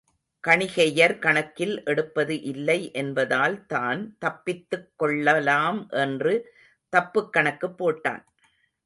கணிகையர் கணக்கில் எடுப்பது இல்லை என்பதால் தான் தப்பித்துக் கொள்ளலாம் என்று தப்புக் கணக்குப் போட்டான்.